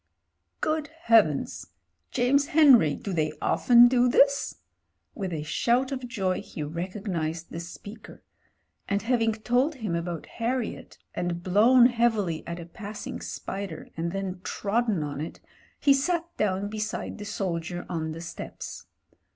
"Good Heavens! James Henry, do they often do this?" With a shout of joy he recognised the speaker. And having told him about Harriet, and Mown heavily at a passing spider and then trodden on it, he sat down beside the soldier on the steps.